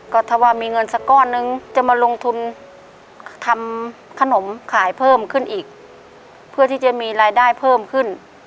ขึ้นอีกเพื่อที่จะมีรายได้เพิ่มขึ้น